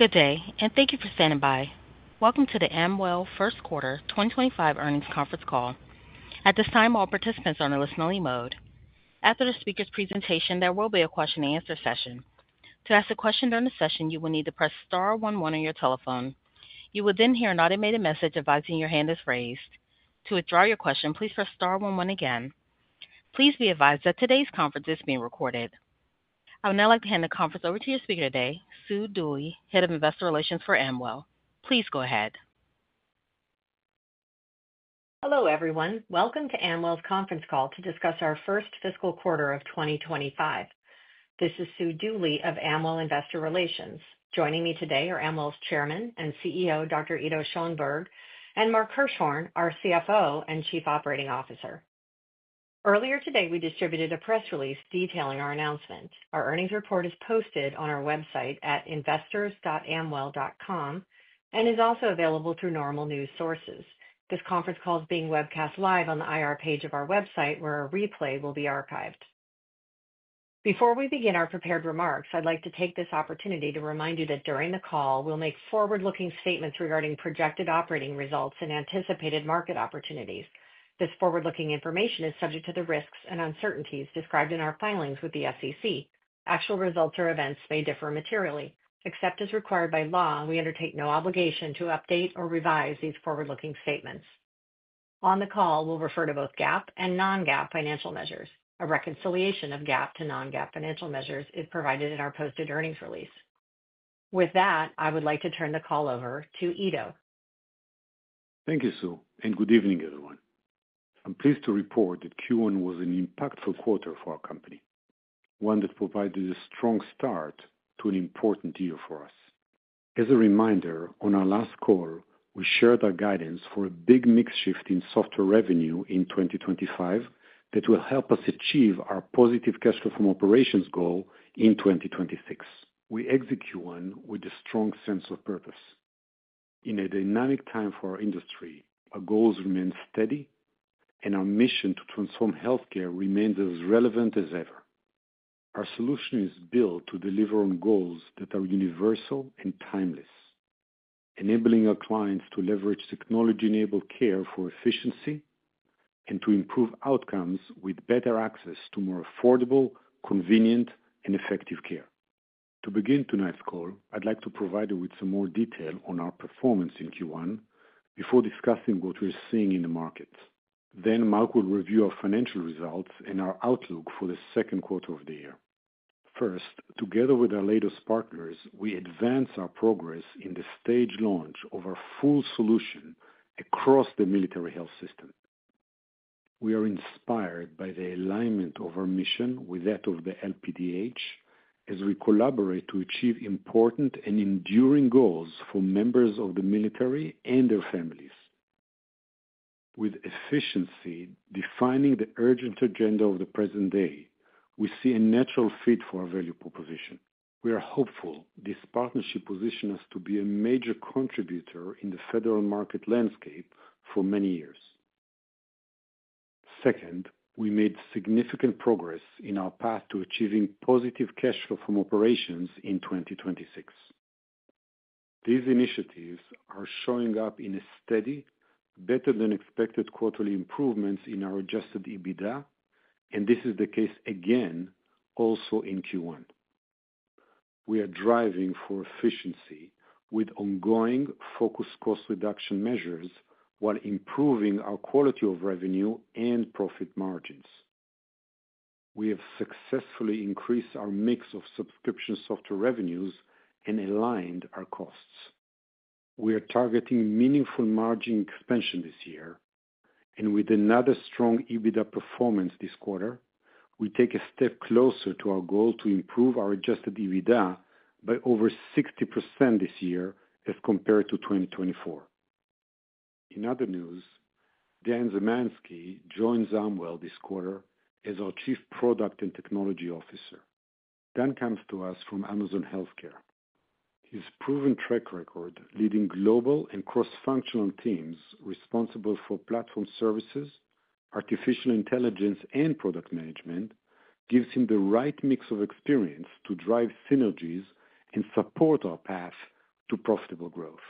Good day, and thank you for standing by. Welcome to the Amwell First Quarter 2025 earnings conference call. At this time, all participants are in a listen-only mode. After the speaker's presentation, there will be a question-and-answer session. To ask a question during the session, you will need to press star 11 on your telephone. You will then hear an automated message advising your hand is raised. To withdraw your question, please press star 11 again. Please be advised that today's conference is being recorded. I would now like to hand the conference over to your speaker today, Sue Dooley, Head of Investor Relations for Amwell. Please go ahead. Hello, everyone. Welcome to Amwell's conference call to discuss our first fiscal quarter of 2025. This is Sue Dooley of Amwell Investor Relations. Joining me today are Amwell's Chairman and CEO, Dr. Ido Schoenberg, and Mark Hirschhorn, our CFO and Chief Operating Officer. Earlier today, we distributed a press release detailing our announcement. Our earnings report is posted on our website at investors.amwell.com and is also available through normal news sources. This conference call is being webcast live on the IR page of our website, where a replay will be archived. Before we begin our prepared remarks, I'd like to take this opportunity to remind you that during the call, we'll make forward-looking statements regarding projected operating results and anticipated market opportunities. This forward-looking information is subject to the risks and uncertainties described in our filings with the SEC. Actual results or events may differ materially. Except as required by law, we undertake no obligation to update or revise these forward-looking statements. On the call, we'll refer to both GAAP and non-GAAP financial measures. A reconciliation of GAAP to non-GAAP financial measures is provided in our posted earnings release. With that, I would like to turn the call over to Ido. Thank you, Sue, and good evening, everyone. I'm pleased to report that Q1 was an impactful quarter for our company, one that provided a strong start to an important year for us. As a reminder, on our last call, we shared our guidance for a big mix shift in software revenue in 2025 that will help us achieve our positive cash flow from operations goal in 2026. We execute on with a strong sense of purpose. In a dynamic time for our industry, our goals remain steady, and our mission to transform healthcare remains as relevant as ever. Our solution is built to deliver on goals that are universal and timeless, enabling our clients to leverage technology-enabled care for efficiency and to improve outcomes with better access to more affordable, convenient, and effective care. To begin tonight's call, I'd like to provide you with some more detail on our performance in Q1 before discussing what we're seeing in the markets. Mark will review our financial results and our outlook for the second quarter of the year. First, together with our latest partners, we advance our progress in the staged launch of our full solution across the Military Health System. We are inspired by the alignment of our mission with that of the LPDH as we collaborate to achieve important and enduring goals for members of the military and their families. With efficiency defining the urgent agenda of the present day, we see a natural fit for our value proposition. We are hopeful this partnership positions us to be a major contributor in the federal market landscape for many years. Second, we made significant progress in our path to achieving positive cash flow from operations in 2026. These initiatives are showing up in a steady, better-than-expected quarterly improvement in our adjusted EBITDA, and this is the case again also in Q1. We are driving for efficiency with ongoing focused cost reduction measures while improving our quality of revenue and profit margins. We have successfully increased our mix of subscription software revenues and aligned our costs. We are targeting meaningful margin expansion this year, and with another strong EBITDA performance this quarter, we take a step closer to our goal to improve our adjusted EBITDA by over 60% this year as compared to 2024. In other news, Dan Zamanski joins Amwell this quarter as our Chief Product and Technology Officer. Dan comes to us from Amazon Healthcare. His proven track record leading global and cross-functional teams responsible for platform services, artificial intelligence, and product management gives him the right mix of experience to drive synergies and support our path to profitable growth.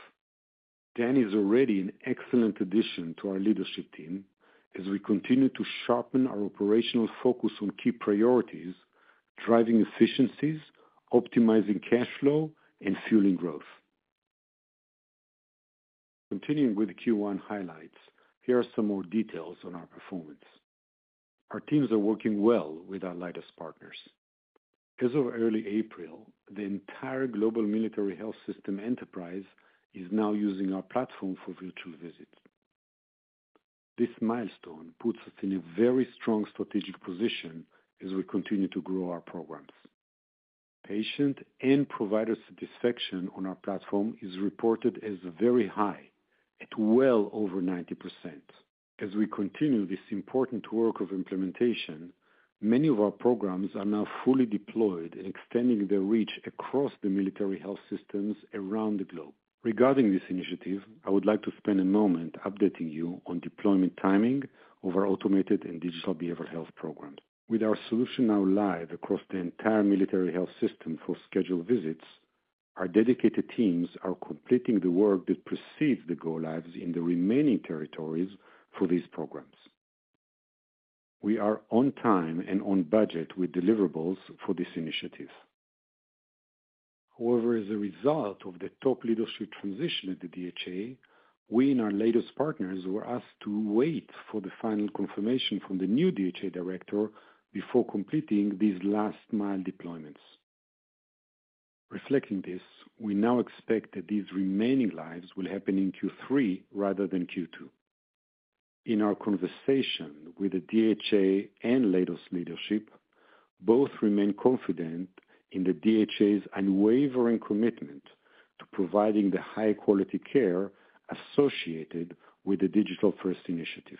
Dan is already an excellent addition to our leadership team as we continue to sharpen our operational focus on key priorities, driving efficiencies, optimizing cash flow, and fueling growth. Continuing with Q1 highlights, here are some more details on our performance: Our teams are working well with our latest partners. As of early April, the entire global military health system enterprise is now using our platform for virtual visits. This milestone puts us in a very strong strategic position as we continue to grow our programs. Patient and provider satisfaction on our platform is reported as very high, at well over 90%. As we continue this important work of implementation, many of our programs are now fully deployed and extending their reach across the military health systems around the globe. Regarding this initiative, I would like to spend a moment updating you on deployment timing of our automated and digital behavioral health programs. With our solution now live across the entire military health system for scheduled visits, our dedicated teams are completing the work that precedes the go-lives in the remaining territories for these programs. We are on time and on budget with deliverables for this initiative. However, as a result of the top leadership transition at the DHA, we and our latest partners were asked to wait for the final confirmation from the new DHA director before completing these last-mile deployments. Reflecting this, we now expect that these remaining lives will happen in Q3 rather than Q2. In our conversation with the DHA and latest leadership, both remain confident in the DHA's unwavering commitment to providing the high-quality care associated with the digital-first initiative.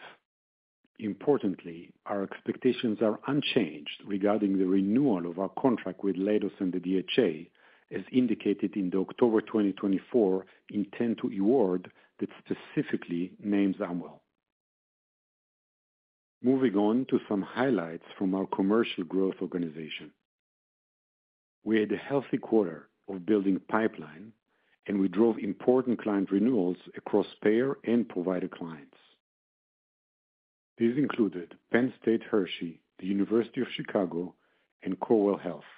Importantly, our expectations are unchanged regarding the renewal of our contract with Leidos and the DHA, as indicated in the October 2024 intent to award that specifically names Amwell. Moving on to some highlights from our commercial growth organization. We had a healthy quarter of building pipeline, and we drove important client renewals across payer and provider clients. These included Penn State Health, the University of Chicago Medicine, and Northwell Health.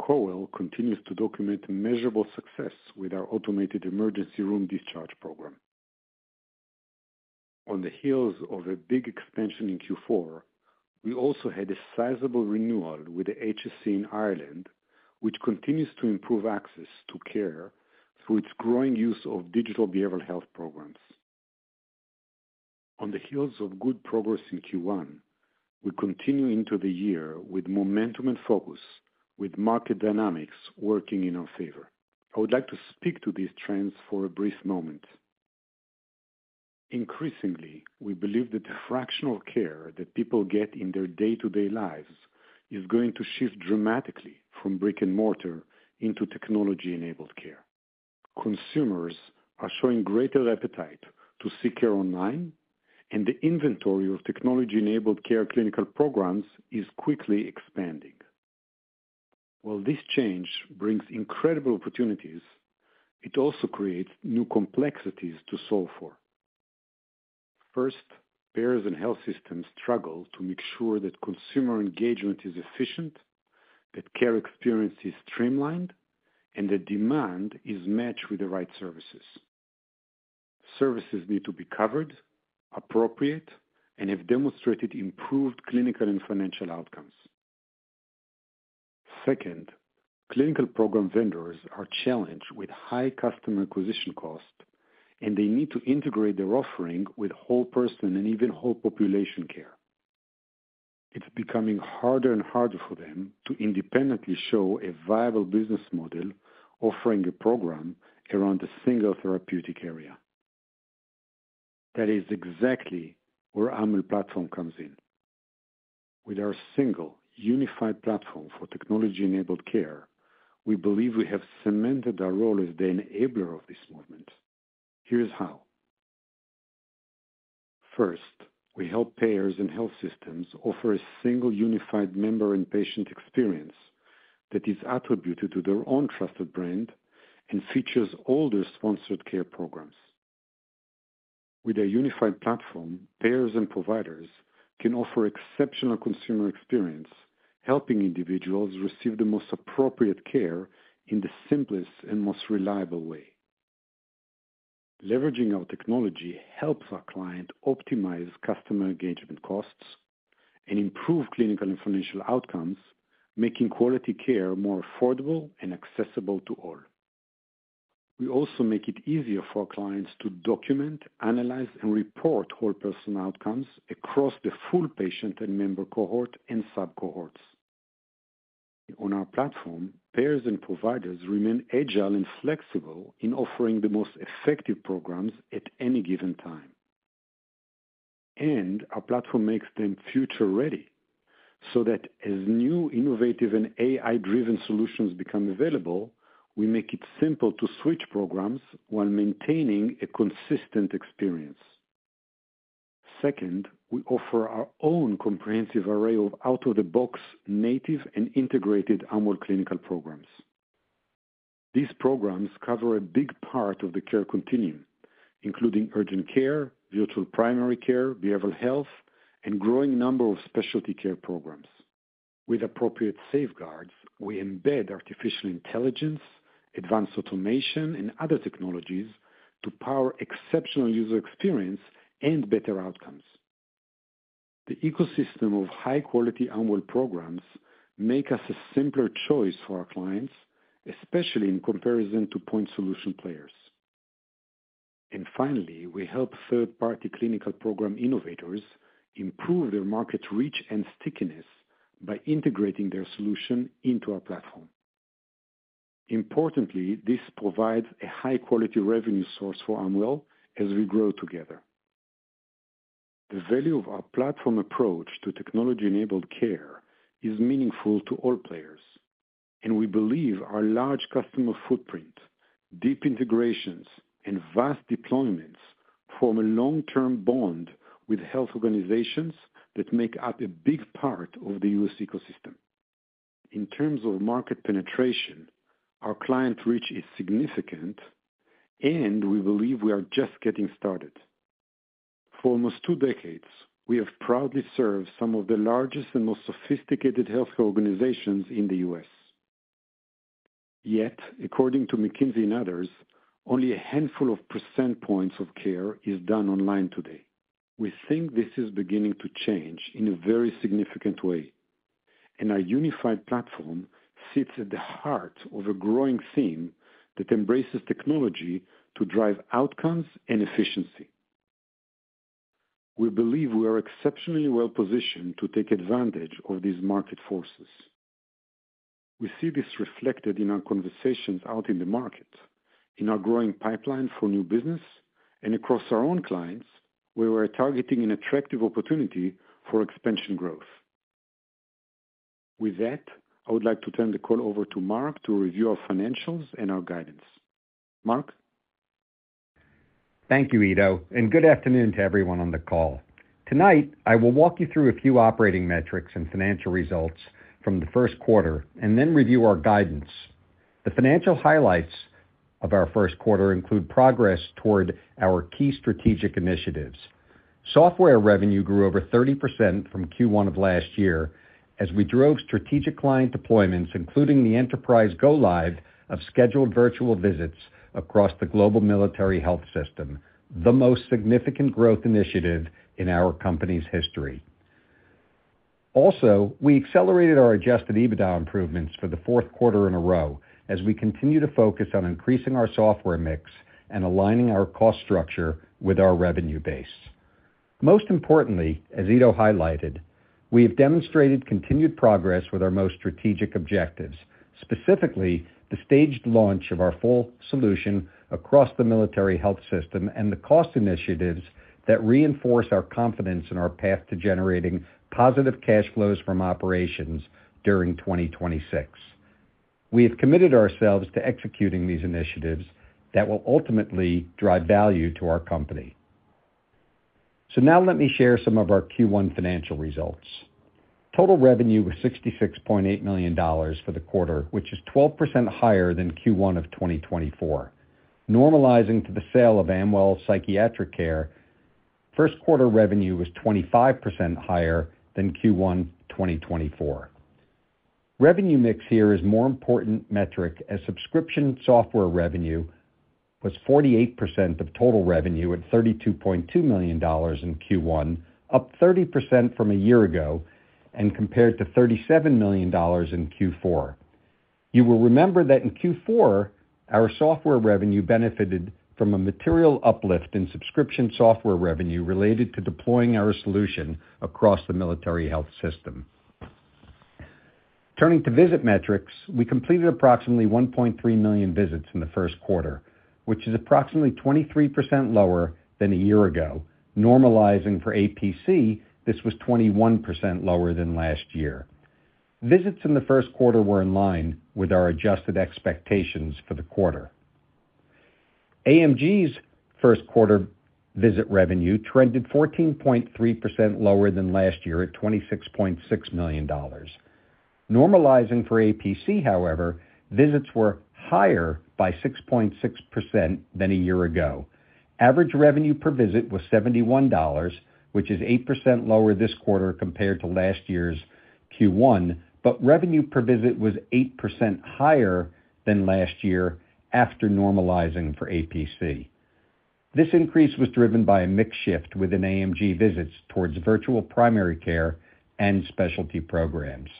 Northwell continues to document measurable success with our Automated Emergency Room Discharge Program. On the heels of a big expansion in Q4, we also had a sizable renewal with the HSE in Ireland, which continues to improve access to care through its growing use of Digital Behavioral Health Programs. On the heels of good progress in Q1, we continue into the year with momentum and focus, with market dynamics working in our favor. I would like to speak to these trends for a brief moment. Increasingly, we believe that the fractional care that people get in their day-to-day lives is going to shift dramatically from brick and mortar into technology-enabled care. Consumers are showing greater appetite to seek care online, and the inventory of technology-enabled care clinical programs is quickly expanding. While this change brings incredible opportunities, it also creates new complexities to solve for. First, payers and health systems struggle to make sure that consumer engagement is efficient, that care experience is streamlined, and that demand is matched with the right services. Services need to be covered, appropriate, and have demonstrated improved clinical and financial outcomes. Second, clinical program vendors are challenged with high customer acquisition costs, and they need to integrate their offering with whole-person and even whole-population care. It's becoming harder and harder for them to independently show a viable business model offering a program around a single therapeutic area. That is exactly where Amwell Platform comes in. With our single unified platform for technology-enabled care, we believe we have cemented our role as the enabler of this movement. Here is how: First, we help payers and health systems offer a single unified member and patient experience that is attributed to their own trusted brand and features all their sponsored care programs. With a unified platform, payers and providers can offer exceptional consumer experience, helping individuals receive the most appropriate care in the simplest and most reliable way. Leveraging our technology helps our clients optimize customer engagement costs and improve clinical and financial outcomes, making quality care more affordable and accessible to all. We also make it easier for our clients to document, analyze, and report whole-person outcomes across the full patient and member cohort and sub-cohorts. On our platform, payers and providers remain agile and flexible in offering the most effective programs at any given time. Our platform makes them future-ready so that as new innovative and AI-driven solutions become available, we make it simple to switch programs while maintaining a consistent experience. Second, we offer our own comprehensive array of out-of-the-box native and integrated Amwell clinical programs. These programs cover a big part of the care continuum, including urgent care, virtual primary care, behavioral health, and a growing number of specialty care programs. With appropriate safeguards, we embed artificial intelligence, advanced automation, and other technologies to power exceptional user experience and better outcomes. The ecosystem of high-quality Amwell programs makes us a simpler choice for our clients, especially in comparison to point solution players. We help third-party clinical program innovators improve their market reach and stickiness by integrating their solution into our platform. Importantly, this provides a high-quality revenue source for Amwell as we grow together. The value of our platform approach to technology-enabled care is meaningful to all players, and we believe our large customer footprint, deep integrations, and vast deployments form a long-term bond with health organizations that make up a big part of the US ecosystem. In terms of market penetration, our client reach is significant, and we believe we are just getting started. For almost two decades, we have proudly served some of the largest and most sophisticated healthcare organizations in the U.S. Yet, according to McKinsey and others, only a handful of percentage points of care is done online today. This is beginning to change in a very significant way, and our unified platform sits at the heart of a growing theme that embraces technology to drive outcomes and efficiency. We believe we are exceptionally well-positioned to take advantage of these market forces. We see this reflected in our conversations out in the market, in our growing pipeline for new business, and across our own clients where we are targeting an attractive opportunity for expansion growth. With that, I would like to turn the call over to Mark to review our financials and our guidance. Mark? Thank you, Ido, and good afternoon to everyone on the call. Tonight, I will walk you through a few operating metrics and financial results from the first quarter and then review our guidance. The financial highlights of our first quarter include progress toward our key strategic initiatives. Software revenue grew over 30% from Q1 of last year as we drove strategic client deployments, including the enterprise go-live of scheduled virtual visits across the global Military Health System, the most significant growth initiative in our company's history. Also, we accelerated our adjusted EBITDA improvements for the fourth quarter in a row as we continue to focus on increasing our software mix and aligning our cost structure with our revenue base. Most importantly, as Ido highlighted, we have demonstrated continued progress with our most strategic objectives, specifically the staged launch of our full solution across the Military Health System and the cost initiatives that reinforce our confidence in our path to generating positive cash flows from operations during 2026. We have committed ourselves to executing these initiatives that will ultimately drive value to our company. Now let me share some of our Q1 financial results. Total revenue was $66.8 million for the quarter, which is 12% higher than Q1 of 2024. Normalizing to the sale of Amwell Psychiatric Care, first-quarter revenue was 25% higher than Q1 2024. Revenue mix here is a more important metric as subscription software revenue was 48% of total revenue at $32.2 million in Q1, up 30% from a year ago and compared to $37 million in Q4. You will remember that in Q4, our software revenue benefited from a material uplift in subscription software revenue related to deploying our solution across the Military Health System. Turning to visit metrics, we completed approximately 1.3 million visits in the first quarter, which is approximately 23% lower than a year ago. Normalizing for APC, this was 21% lower than last year. Visits in the first quarter were in line with our adjusted expectations for the quarter. AMG's first-quarter visit revenue trended 14.3% lower than last year at $26.6 million. Normalizing for APC, however, visits were higher by 6.6% than a year ago. Average revenue per visit was $71, which is 8% lower this quarter compared to last year's Q1, but revenue per visit was 8% higher than last year after normalizing for APC. This increase was driven by a mix shift within AMG visits towards virtual primary care and specialty programs.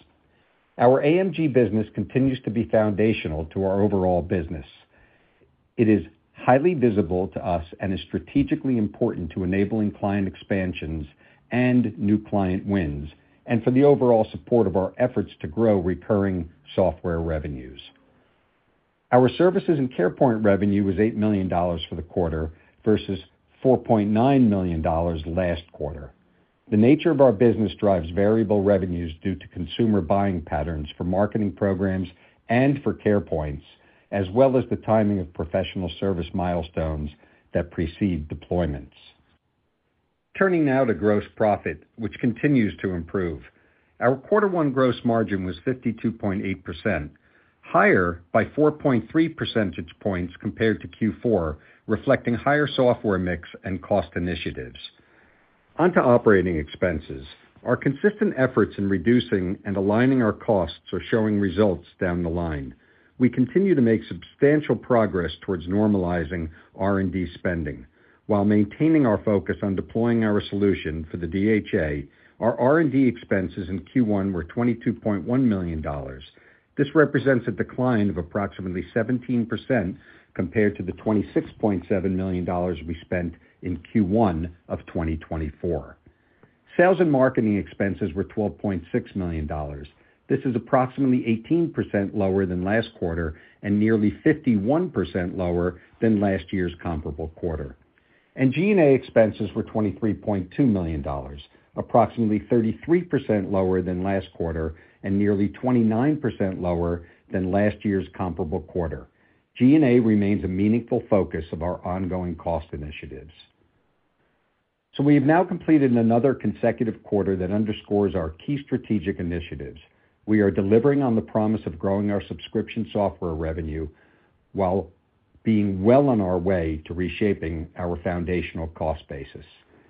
Our AMG business continues to be foundational to our overall business. It is highly visible to us and is strategically important to enabling client expansions and new client wins and for the overall support of our efforts to grow recurring software revenues. Our services and CarePoint revenue was $8 million for the quarter versus $4.9 million last quarter. The nature of our business drives variable revenues due to consumer buying patterns for marketing programs and for CarePoints, as well as the timing of professional service milestones that precede deployments. Turning now to gross profit, which continues to improve. Our quarter one gross margin was 52.8%, higher by 4.3 percentage points compared to Q4, reflecting higher software mix and cost initiatives. Onto operating expenses. Our consistent efforts in reducing and aligning our costs are showing results down the line. We continue to make substantial progress towards normalizing R&D spending. While maintaining our focus on deploying our solution for the DHA, our R&D expenses in Q1 were $22.1 million. This represents a decline of approximately 17% compared to the $26.7 million we spent in Q1 of 2024. Sales and marketing expenses were $12.6 million. This is approximately 18% lower than last quarter and nearly 51% lower than last year's comparable quarter. G&A expenses were $23.2 million, approximately 33% lower than last quarter and nearly 29% lower than last year's comparable quarter. G&A remains a meaningful focus of our ongoing cost initiatives. We have now completed another consecutive quarter that underscores our key strategic initiatives. We are delivering on the promise of growing our subscription software revenue while being well on our way to reshaping our foundational cost basis.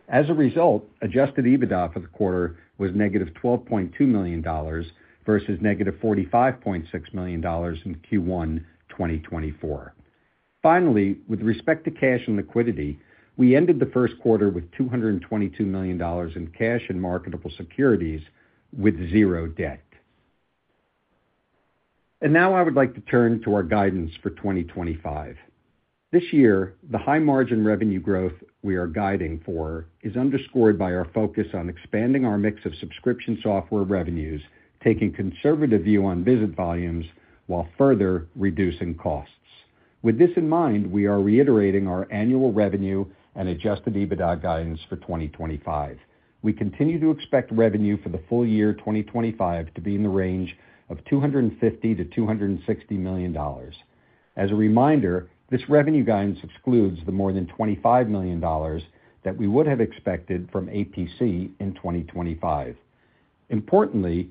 As a result, adjusted EBITDA for the quarter was negative $12.2 million versus negative $45.6 million in Q1 2024. Finally, with respect to cash and liquidity, we ended the first quarter with $222 million in cash and marketable securities with zero debt. I would like to turn to our guidance for 2025. This year, the high-margin revenue growth we are guiding for is underscored by our focus on expanding our mix of subscription software revenues, taking a conservative view on visit volumes while further reducing costs. With this in mind, we are reiterating our annual revenue and adjusted EBITDA guidance for 2025. We continue to expect revenue for the full year 2025 to be in the range of $250-$260 million. As a reminder, this revenue guidance excludes the more than $25 million that we would have expected from APC in 2025. Importantly,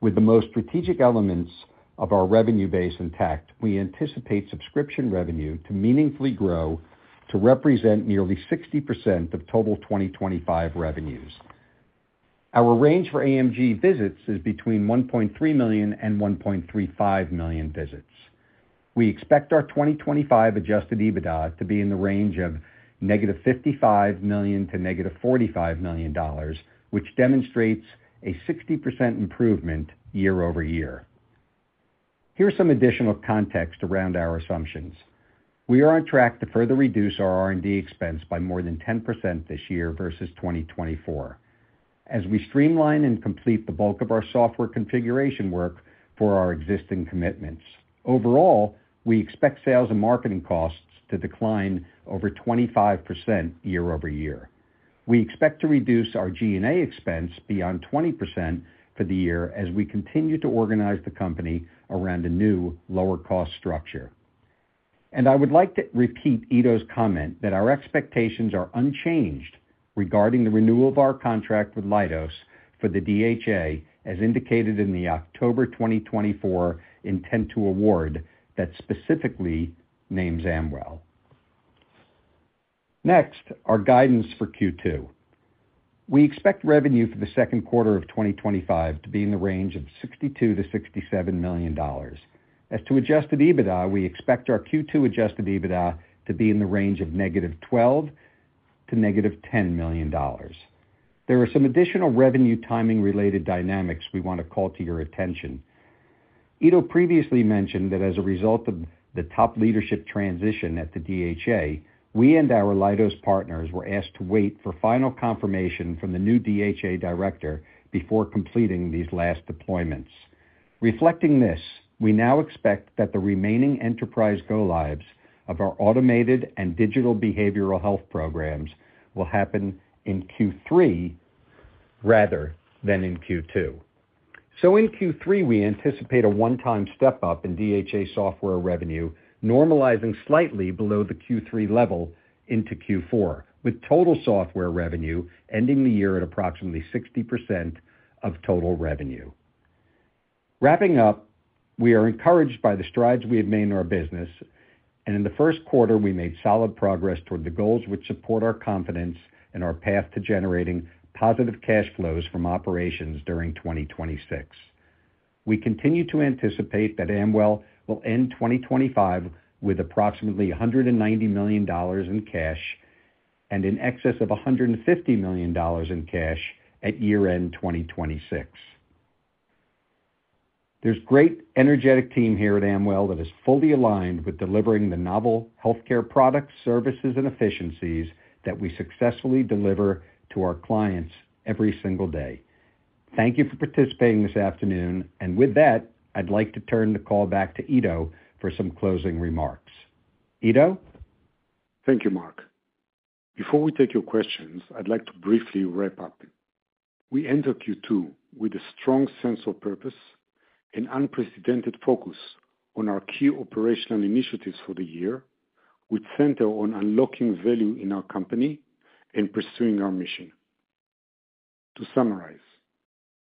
with the most strategic elements of our revenue base intact, we anticipate subscription revenue to meaningfully grow to represent nearly 60% of total 2025 revenues. Our range for AMG visits is between 1.3 million and 1.35 million visits. We expect our 2025 adjusted EBITDA to be in the range of negative $55 million to negative $45 million, which demonstrates a 60% improvement year-over-year. Here's some additional context around our assumptions. We are on track to further reduce our R&D expense by more than 10% this year versus 2024, as we streamline and complete the bulk of our software configuration work for our existing commitments. Overall, we expect sales and marketing costs to decline over 25% year-over-year. We expect to reduce our G&A expense beyond 20% for the year as we continue to organize the company around a new lower-cost structure. I would like to repeat Ido's comment that our expectations are unchanged regarding the renewal of our contract with Leidos for the DHA, as indicated in the October 2024 intent to award that specifically names Amwell. Next, our guidance for Q2. We expect revenue for the second quarter of 2025 to be in the range of $62-$67 million. As to adjusted EBITDA, we expect our Q2 adjusted EBITDA to be in the range of negative $12 to negative $10 million. There are some additional revenue timing-related dynamics we want to call to your attention. Ido previously mentioned that as a result of the top leadership transition at the DHA, we and our Leidos partners were asked to wait for final confirmation from the new DHA director before completing these last deployments. Reflecting this, we now expect that the remaining enterprise go-lives of our automated and digital behavioral health programs will happen in Q3 rather than in Q2. In Q3, we anticipate a one-time step-up in DHA software revenue, normalizing slightly below the Q3 level into Q4, with total software revenue ending the year at approximately 60% of total revenue. Wrapping up, we are encouraged by the strides we have made in our business, and in the first quarter, we made solid progress toward the goals which support our confidence in our path to generating positive cash flows from operations during 2026. We continue to anticipate that Amwell will end 2025 with approximately $190 million in cash and in excess of $150 million in cash at year-end 2026. There's a great energetic team here at Amwell that is fully aligned with delivering the novel healthcare products, services, and efficiencies that we successfully deliver to our clients every single day. Thank you for participating this afternoon, and with that, I'd like to turn the call back to Ido for some closing remarks. Ido? Thank you, Mark. Before we take your questions, I'd like to briefly wrap up. We entered Q2 with a strong sense of purpose and unprecedented focus on our key operational initiatives for the year, which center on unlocking value in our company and pursuing our mission. To summarize,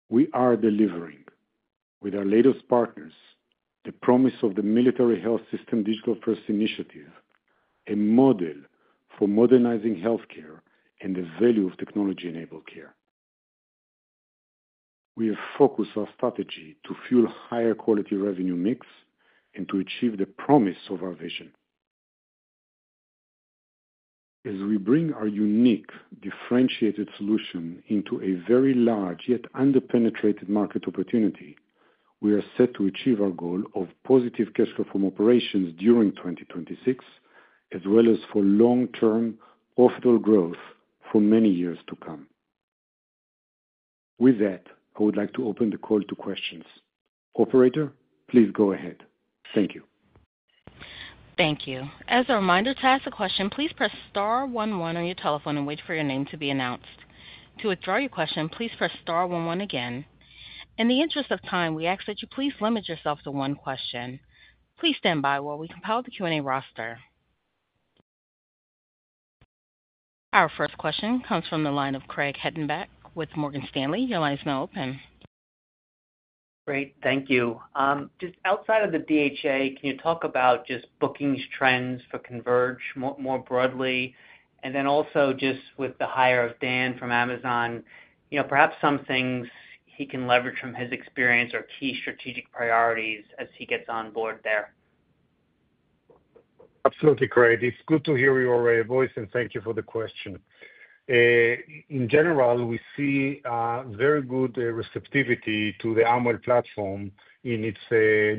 we are delivering, with our Leidos partners, the promise of the Military Health System digital-first initiative, a model for modernizing healthcare and the value of technology-enabled care. We have focused our strategy to fuel higher quality revenue mix and to achieve the promise of our vision. As we bring our unique, differentiated solution into a very large yet under-penetrated market opportunity, we are set to achieve our goal of positive cash flow from operations during 2026, as well as for long-term profitable growth for many years to come. With that, I would like to open the call to questions. Operator, please go ahead. Thank you. Thank you. As a reminder to ask a question, please press star 11 on your telephone and wait for your name to be announced. To withdraw your question, please press star 11 again. In the interest of time, we ask that you please limit yourself to one question. Please stand by while we compile the Q&A roster. Our first question comes from the line of Craig Hettenbach with Morgan Stanley. Your line is now open. Great. Thank you. Just outside of the DHA, can you talk about just bookings trends for Converge more broadly? And then also just with the hire of Dan from Amazon, perhaps some things he can leverage from his experience or key strategic priorities as he gets on board there. Absolutely, Craig. It's good to hear your voice and thank you for the question. In general, we see very good receptivity to the Amwell platform in its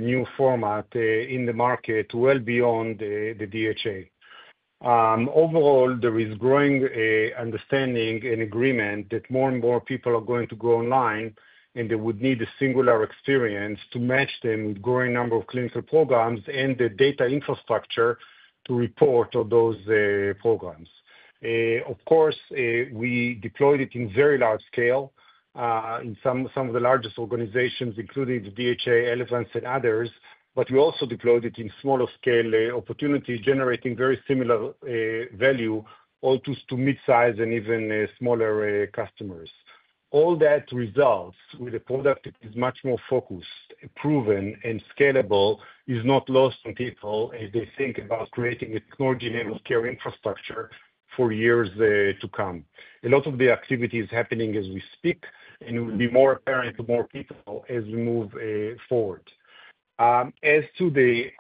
new format in the market well beyond the DHA. Overall, there is growing understanding and agreement that more and more people are going to go online and they would need a singular experience to match them with a growing number of clinical programs and the data infrastructure to report on those programs. We deployed it in very large scale in some of the largest organizations, including the DHA, Amwell, and others, but we also deployed it in smaller scale opportunities generating very similar value, all to mid-size and even smaller customers. All that results with a product that is much more focused, proven, and scalable is not lost on people as they think about creating a technology-enabled care infrastructure for years to come. A lot of the activity is happening as we speak and will be more apparent to more people as we move forward. As to Dan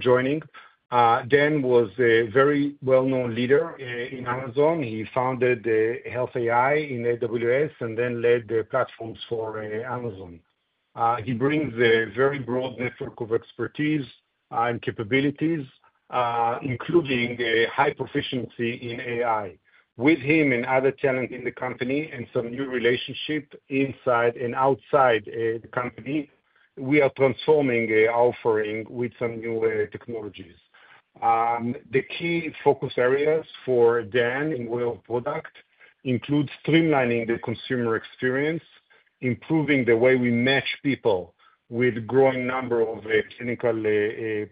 joining, Dan was a very well-known leader in Amazon. He founded Health AI in AWS and then led the platforms for Amazon. He brings a very broad network of expertise and capabilities, including high proficiency in AI. With him and other talent in the company and some new relationships inside and outside the company, we are transforming our offering with some new technologies. The key focus areas for Dan and Will's product include streamlining the consumer experience, improving the way we match people with a growing number of clinical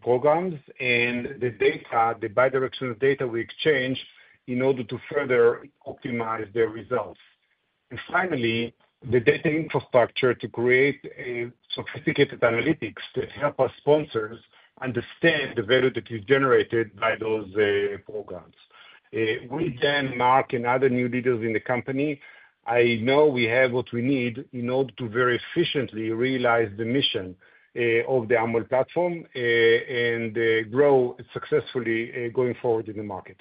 programs, and the bidirectional data we exchange in order to further optimize their results. Finally, the data infrastructure to create sophisticated analytics that help our sponsors understand the value that is generated by those programs. With Dan, Mark, and other new leaders in the company, I know we have what we need in order to very efficiently realize the mission of the Amwell platform and grow successfully going forward in the market.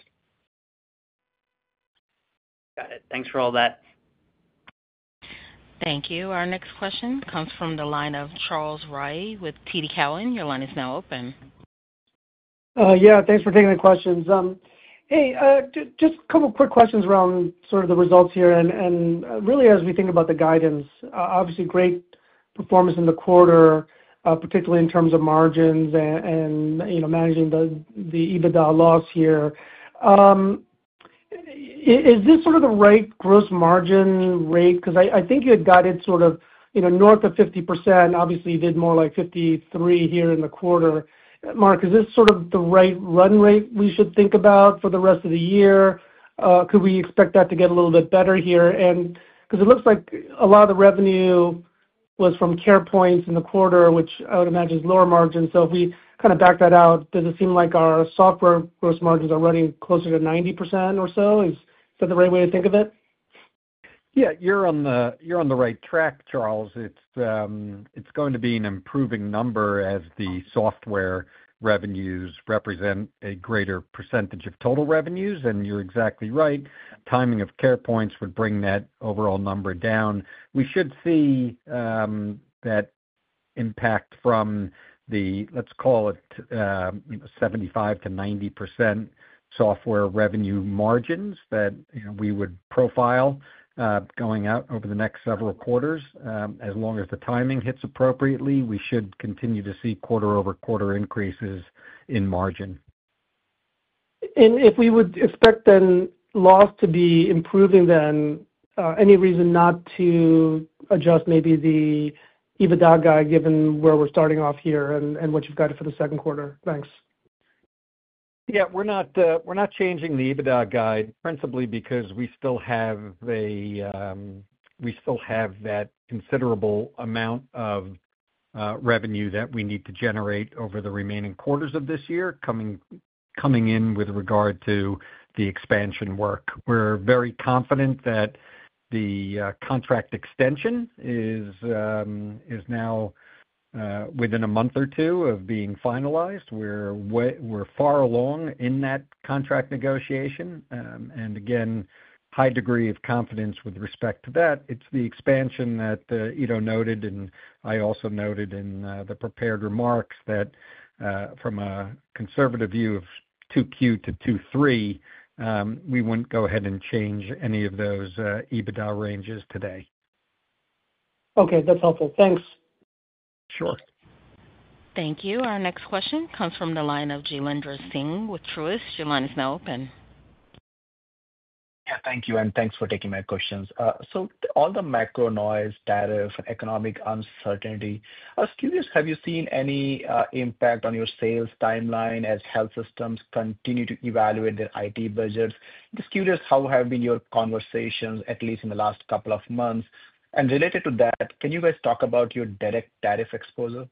Got it. Thanks for all that. Thank you. Our next question comes from the line of Charles Rye with TD Cowan. Your line is now open. Thanks for taking the questions. Hey, just a couple of quick questions around the results here. Really, as we think about the guidance, obviously great performance in the quarter, particularly in terms of margins and managing the EBITDA loss here. Is this the right gross margin rate? You had guided north of 50%. Obviously, you did more like 53% here in the quarter. Mark, is this the right run rate we should think about for the rest of the year? Could we expect that to get a little bit better here? It looks like a lot of the revenue was from CarePoints in the quarter, which I would imagine is lower margin. If we back that out, does it seem like our software gross margins are running closer to 90% or so? Is that the right way to think of it? You're on the right track, Charles. It's going to be an improving number as the software revenues represent a greater percentage of total revenues. You're exactly right. Timing of CarePoints would bring that overall number down. We should see that impact from the, let's call it, 75-90% software revenue margins that we would profile going out over the next several quarters. As long as the timing hits appropriately, we should continue to see quarter-over-quarter increases in margin. If we would expect then loss to be improving, then any reason not to adjust maybe the EBITDA guide given where we're starting off here and what you've guided for the second quarter? Thanks. We're not changing the EBITDA guide principally because we still have that considerable amount of revenue that we need to generate over the remaining quarters of this year coming in with regard to the expansion work. We're very confident that the contract extension is now within a month or two of being finalized. We're far along in that contract negotiation. Again, high degree of confidence with respect to that. It's the expansion that Ido noted, and I also noted in the prepared remarks that from a conservative view of 2Q to 2023, we wouldn't go ahead and change any of those EBITDA ranges today. Okay. That's helpful. Thanks. Sure. Thank you. Our next question comes from the line of Jailendra Singh with Truist. Your line is now open. Thank you. Thanks for taking my questions. All the macro noise, tariff, and economic uncertainty, I was curious, have you seen any impact on your sales timeline as health systems continue to evaluate their IT budgets? Just curious how have been your conversations, at least in the last couple of months. Related to that, can you guys talk about your direct tariff exposure?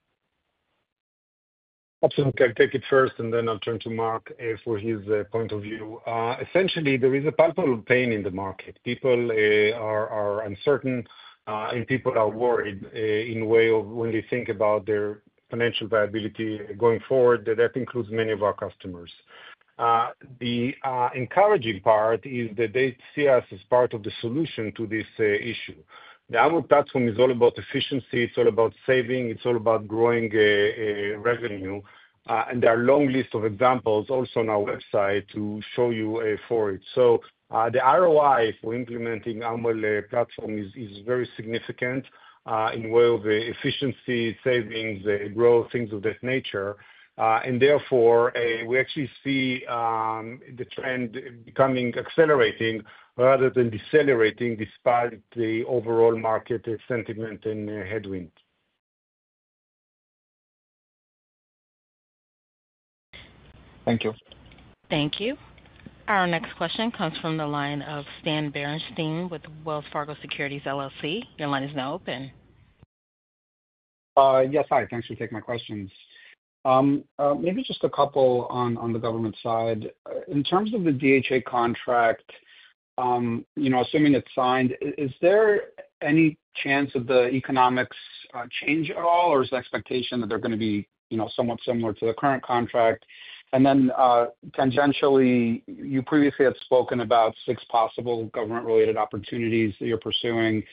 Absolutely. I'll take it first, and then I'll turn to Mark for his point of view. Essentially, there is a palpable pain in the market. People are uncertain, and people are worried in a way of when they think about their financial viability going forward, that that includes many of our customers. The encouraging part is that they see us as part of the solution to this issue. The Amwell platform is all about efficiency. It's all about saving. It's all about growing revenue. There are a long list of examples also on our website to show you for it. The ROI for implementing Amwell platform is very significant in the way of efficiency, savings, growth, things of that nature. Therefore, we actually see the trend becoming accelerating rather than decelerating despite the overall market sentiment and headwind. Thank you. Thank you. Our next question comes from the line of Stan Berenshteyn with Wells Fargo Securities. Your line is now open. Thanks for taking my questions. Maybe just a couple on the government side. In terms of the DHA contract, assuming it's signed, is there any chance of the economics changing at all, or is the expectation that they're going to be somewhat similar to the current contract? Tangentially, you previously had spoken about six possible government-related opportunities that you're pursuing.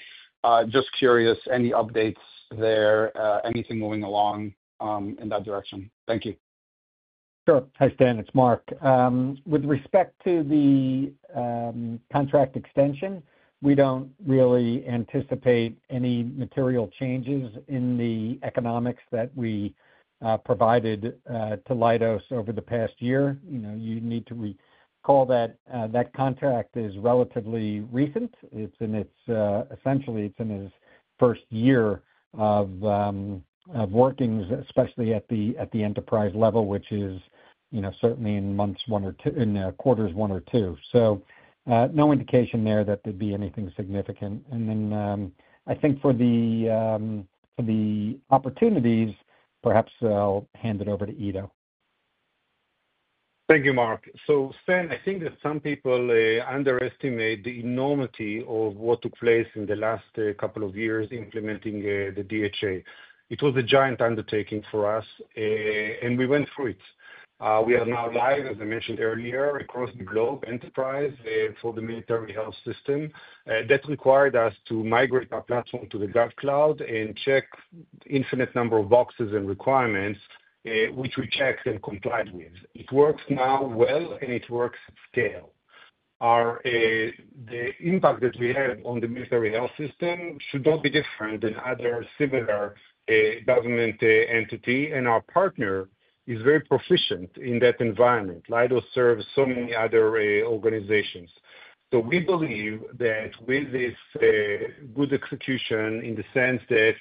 Just curious, any updates there? Anything moving along in that direction? Thank you. Hi, Stan. It's Mark. With respect to the contract extension, we don't really anticipate any material changes in the economics that we provided to Leidos over the past year. You need to recall that that contract is relatively recent. Essentially, it's in its first year of working, especially at the enterprise level, which is certainly in quarters one or two. No indication there that there'd be anything significant. I think for the opportunities, perhaps I'll hand it over to Ido. Thank you, Mark. Stan, some people underestimate the enormity of what took place in the last couple of years implementing the DHA. It was a giant undertaking for us, and we went through it. We are now live, as I mentioned earlier, across the globe, enterprise for the Military Health System. That required us to migrate our platform to the GovCloud and check an infinite number of boxes and requirements, which we checked and complied with. It works now well, and it works at scale. The impact that we have on the Military Health System should not be different than other similar government entities. Our partner is very proficient in that environment. Leidos serves so many other organizations. We believe that with this good execution in the sense that,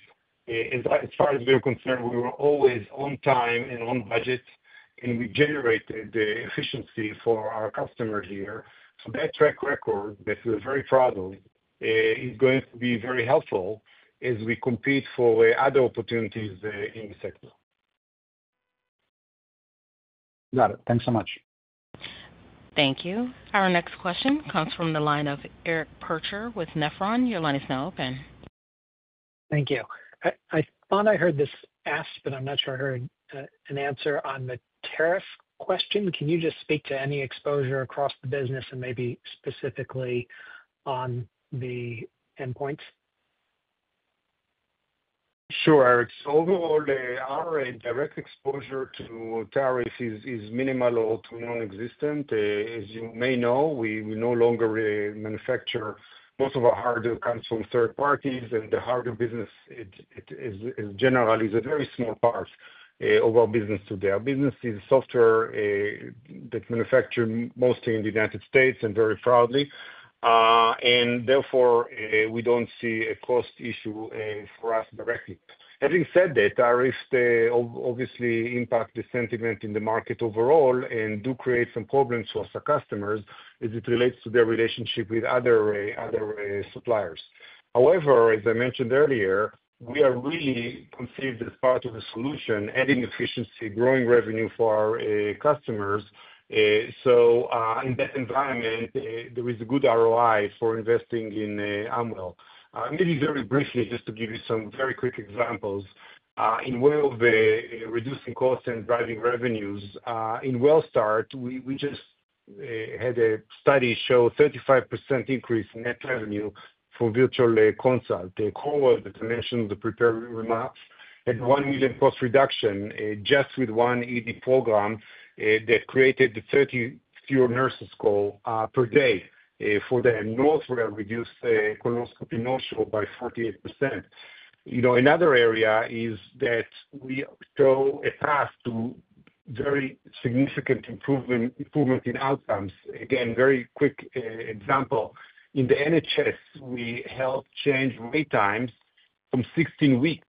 as far as we're concerned, we were always on time and on budget, and we generated the efficiency for our customers here. That track record that we're very proud of is going to be very helpful as we compete for other opportunities in the sector. Got it. Thanks so much. Thank you. Our next question comes from the line of Eric Percher with Nephron. Your line is now open. Thank you. I thought I heard this asked, but I'm not sure I heard an answer on the tariff question. Can you just speak to any exposure across the business and maybe specifically on the endpoints? Sure. Overall, our direct exposure to tariffs is minimal or nonexistent. As you may know, we no longer manufacture most of our hardware. Most of our hardware comes from third parties, and the hardware business is generally a very small part of our business today. Our business is software that's manufactured mostly in the United States and very proudly. Therefore, we don't see a cost issue for us directly. Having said that, tariffs obviously impact the sentiment in the market overall and do create some problems for our customers as it relates to their relationship with other suppliers. However, as I mentioned earlier, we are really conceived as part of a solution, adding efficiency, growing revenue for our customers. In that environment, there is a good ROI for investing in Amwell. Maybe very briefly, just to give you some very quick examples in way of reducing costs and driving revenues. In Well Start, we just had a study show a 35% increase in net revenue for virtual consult. The coworker that I mentioned, the prepared remarks, had a $1 million cost reduction just with one ED program that created 30 fewer nurses' calls per day for them, and those were reduced colonoscopy no-show by 48%. Another area is that we show a path to very significant improvement in outcomes. Again, very quick example. In the NHS, we helped change wait times from 16 weeks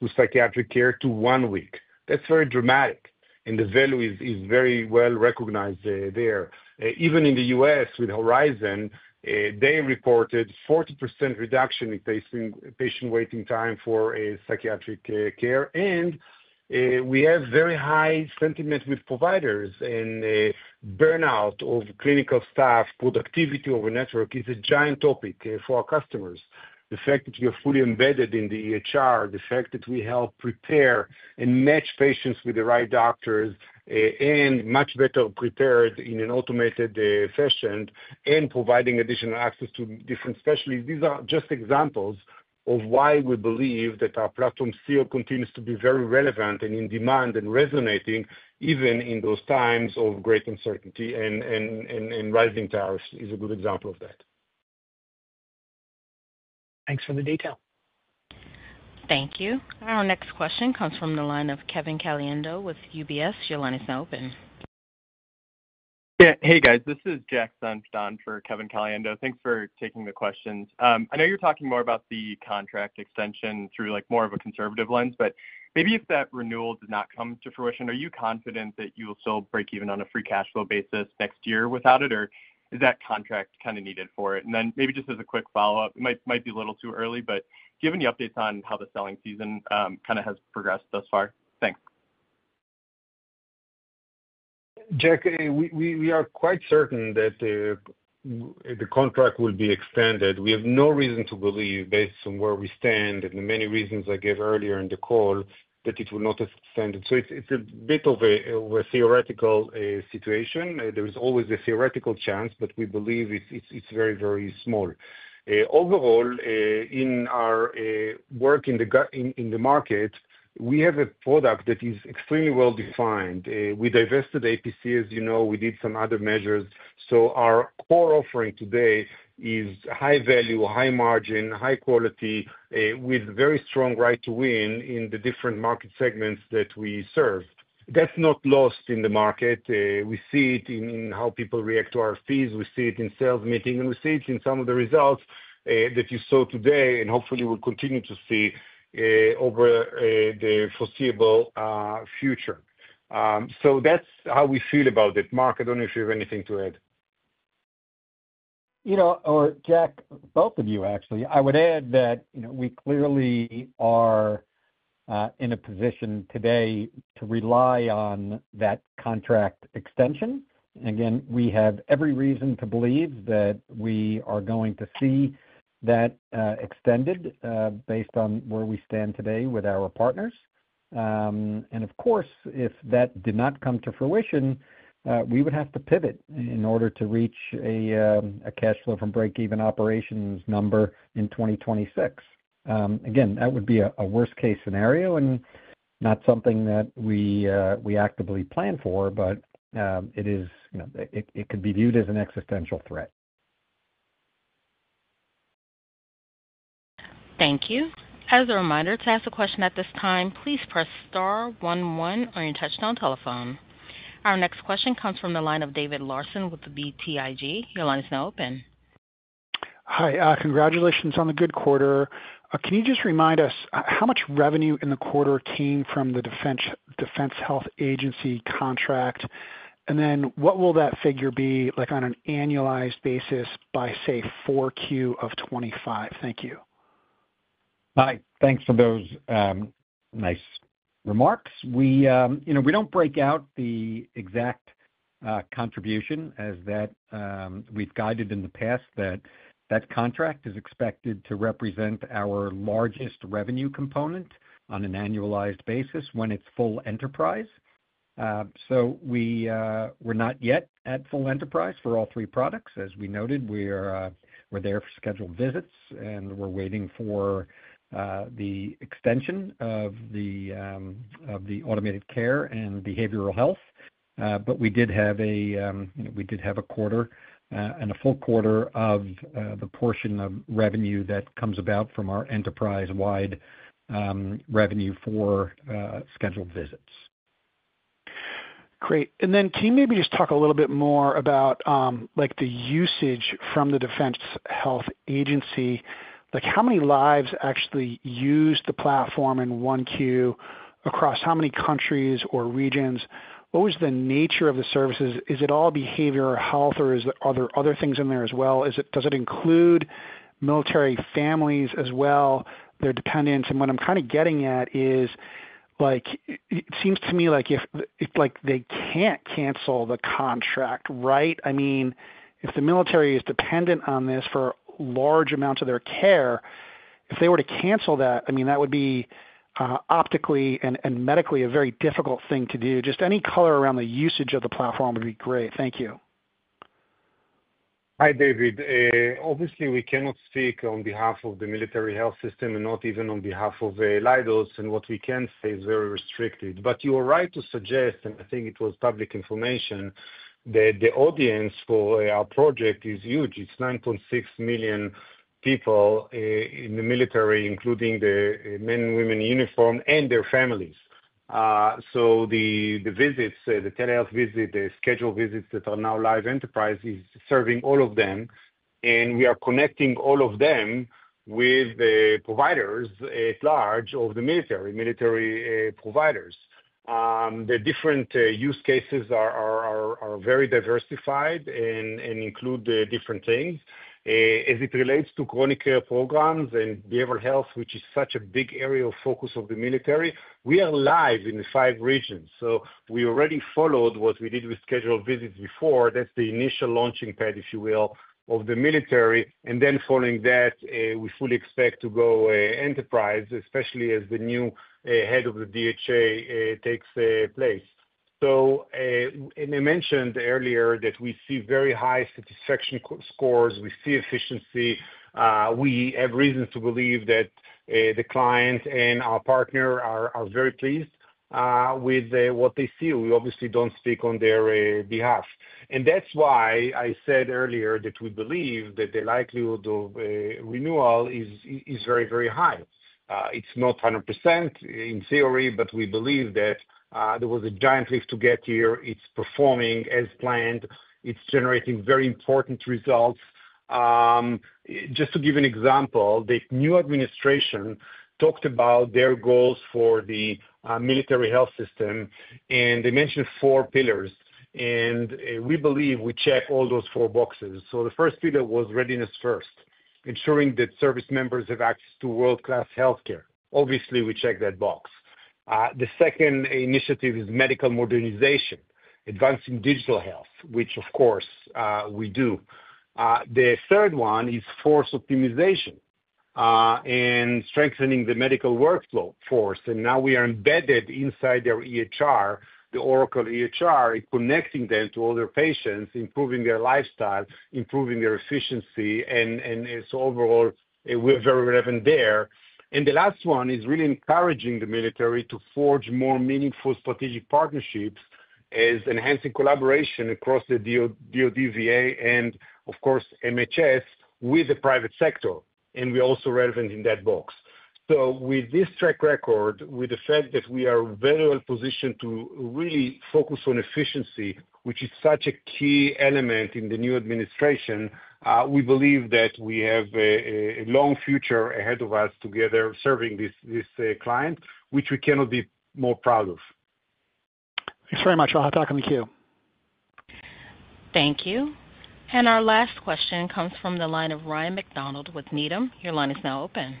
for psychiatric care to 1 week. That is very dramatic, and the value is very well recognized there. Even in the U.S., with Horizon, they reported a 40% reduction in patient waiting time for psychiatric care. We have very high sentiment with providers, and burnout of clinical staff, productivity of a network is a giant topic for our customers. The fact that we are fully embedded in the EHR, the fact that we help prepare and match patients with the right doctors, and much better prepared in an automated fashion, and providing additional access to different specialists, these are just examples of why we believe that our platform still continues to be very relevant and in demand and resonating even in those times of great uncertainty. Rising tariffs is a good example of that. Thanks for the detail. Thank you. Our next question comes from the line of Kevin Caliendo with UBS. Your line is now open. Hey, guys. This is Jack Sunshine for Kevin Caliendo. Thanks for taking the questions. I know you're talking more about the contract extension through more of a conservative lens, but maybe if that renewal did not come to fruition, are you confident that you will still break even on a free cash flow basis next year without it, or is that contract needed for it? Maybe just as a quick follow-up, it might be a little too early, but do you have any updates on how the selling season has progressed thus far? Thanks. Jack, we are quite certain that the contract will be extended. We have no reason to believe, based on where we stand and the many reasons I gave earlier in the call, that it will not extend. It is a bit of a theoretical situation. There is always a theoretical chance, but we believe it's very, very small. Overall, in our work in the market, we have a product that is extremely well-defined. We divested APC, as you know. We did some other measures. Our core offering today is high value, high margin, high quality, with very strong right to win in the different market segments that we serve. That's not lost in the market. We see it in how people react to our fees. We see it in sales meetings, and we see it in some of the results that you saw today and hopefully will continue to see over the foreseeable future. That's how we feel about it. Mark, I don't know if you have anything to add. Or Jack, both of you, actually. I would add that we clearly are in a position today to rely on that contract extension. Again, we have every reason to believe that we are going to see that extended based on where we stand today with our partners. If that did not come to fruition, we would have to pivot in order to reach a cash flow from break-even operations number in 2026. Again, that would be a worst-case scenario and not something that we actively plan for, but it could be viewed as an existential threat. Thank you. As a reminder, to ask a question at this time, please press star 11 on your touch-tone telephone. Our next question comes from the line of David Larson with BTIG. Your line is now open. Hi. Congratulations on the good quarter. Can you just remind us how much revenue in the quarter came from the Defense Health Agency contract? Then what will that figure be on an annualized basis by, say, Q4 of 2025? Thank you. Hi. Thanks for those nice remarks. We do not break out the exact contribution as we have guided in the past that that contract is expected to represent our largest revenue component on an annualized basis when it is full enterprise. We are not yet at full enterprise for all three products. As we noted, we are there for scheduled visits, and we are waiting for the extension of the automated care and behavioral health. We did have a quarter and a full quarter of the portion of revenue that comes about from our enterprise-wide revenue for scheduled visits. Great. Can you maybe just talk a little bit more about the usage from the Defense Health Agency? How many lives actually use the platform in one queue across how many countries or regions? What was the nature of the services? Is it all behavioral health, or are there other things in there as well? Does it include military families as well, their dependents? What I'm getting at is it seems to me like they can't cancel the contract, right? If the military is dependent on this for large amounts of their care, if they were to cancel that, that would be optically and medically a very difficult thing to do. Just any color around the usage of the platform would be great. Thank you. Hi, David. Obviously, we cannot speak on behalf of the Military Health System and not even on behalf of Leidos, and what we can say is very restricted. You are right to suggest, and it was public information, that the audience for our project is huge. It's 9.6 million people in the military, including the men and women in uniform and their families. The visits, the telehealth visits, the scheduled visits that are now live enterprise is serving all of them, and we are connecting all of them with the providers at large of the military, military providers. The different use cases are very diversified and include different things. As it relates to chronic care programs and behavioral health, which is such a big area of focus of the military, we are live in the five regions. We already followed what we did with scheduled visits before. That's the initial launching pad, if you will, of the military. Following that, we fully expect to go enterprise, especially as the new head of the DHA takes place. I mentioned earlier that we see very high satisfaction scores. We see efficiency. We have reason to believe that the client and our partner are very pleased with what they see. We obviously do not speak on their behalf. That is why I said earlier that we believe that the likelihood of renewal is very, very high. It is not 100% in theory, but we believe that there was a giant leap to get here. It is performing as planned. It is generating very important results. Just to give an example, the new administration talked about their goals for the military health system, and they mentioned four pillars. We believe we check all those four boxes. The first pillar was readiness first, ensuring that service members have access to world-class healthcare. Obviously, we check that box. The second initiative is medical modernization, advancing digital health, which, of course, we do. The third one is force optimization and strengthening the medical workforce. We are embedded inside their EHR, the Oracle EHR, connecting them to other patients, improving their lifestyle, improving their efficiency. Overall, we are very relevant there. The last one is really encouraging the military to forge more meaningful strategic partnerships as enhancing collaboration across the DOD, VA, and, of course, MHS with the private sector. We are also relevant in that box. With this track record, with the fact that we are very well positioned to really focus on efficiency, which is such a key element in the new administration, we believe that we have a long future ahead of us together serving this client, which we cannot be more proud of. Thanks very much. I'll hop back on the queue. Thank you. Our last question comes from the line of Ryan McDonald with Needham. Your line is now open.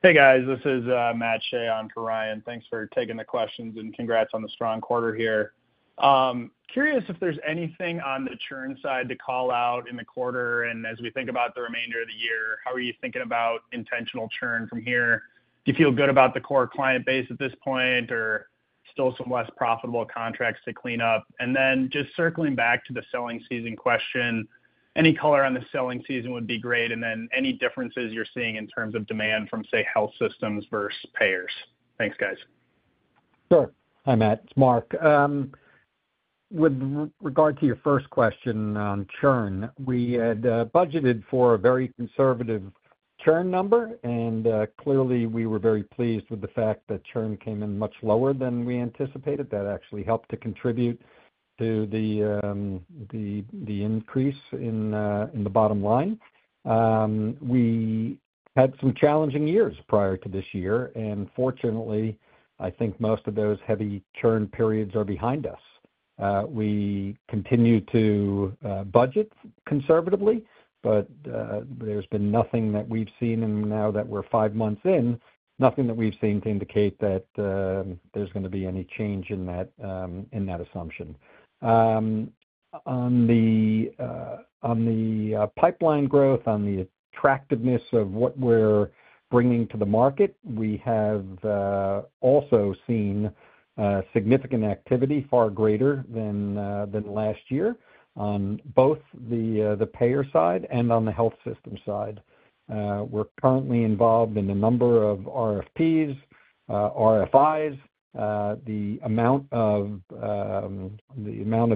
Hey, guys. This is Matt Shea on for Ryan. Thanks for taking the questions and congrats on the strong quarter here. Curious if there's anything on the churn side to call out in the quarter. As we think about the remainder of the year, how are you thinking about intentional churn from here? Do you feel good about the core client base at this point or still some less profitable contracts to clean up? Just circling back to the selling season question, any color on the selling season would be great. Any differences you're seeing in terms of demand from, say, health systems versus payers? Thanks, guys. Hi Matt. It's Mark. With regard to your first question on churn, we had budgeted for a very conservative churn number, and clearly, we were very pleased with the fact that churn came in much lower than we anticipated. That actually helped to contribute to the increase in the bottom line. We had some challenging years prior to this year, and fortunately, I think most of those heavy churn periods are behind us. We continue to budget conservatively, but there's been nothing that we've seen now that we're five months in, nothing that we've seen to indicate that there's going to be any change in that assumption. On the pipeline growth, on the attractiveness of what we're bringing to the market, we have also seen significant activity, far greater than last year, on both the payer side and on the health system side. We're currently involved in a number of RFPs, RFIs. The amount of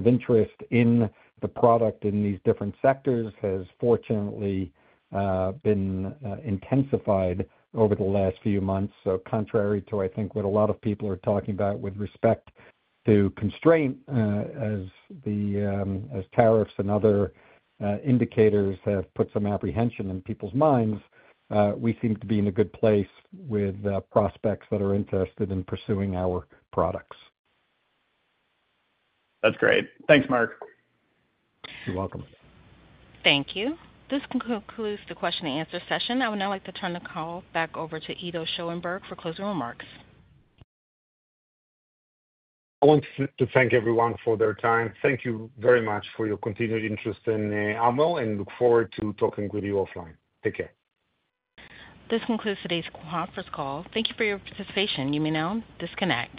interest in the product in these different sectors has, fortunately, been intensified over the last few months. Contrary to, I think, what a lot of people are talking about with respect to constraint, as tariffs and other indicators have put some apprehension in people's minds, we seem to be in a good place with prospects that are interested in pursuing our products. That's great. Thanks, Mark. You're welcome. Thank you. This concludes the question-and-answer session. I would now like to turn the call back over to Ido Schoenberg for closing remarks. I want to thank everyone for their time. Thank you very much for your continued interest in Amwell, and look forward to talking with you offline. Take care. This concludes today's conference call. Thank you for your participation. You may now disconnect.